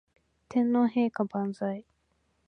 天皇陛下万歳